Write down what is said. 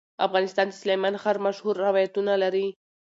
افغانستان د سلیمان غر مشهور روایتونه لري.